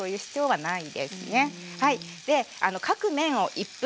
はい。